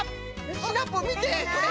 シナプーみてこれ！